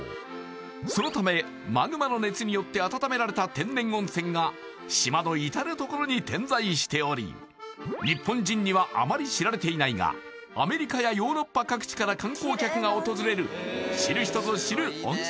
そのためマグマの熱によって温められた天然温泉が島の至るところに点在しており日本人にはあまり知られていないがアメリカやヨーロッパ各地から観光客が訪れる知る人ぞ知る温泉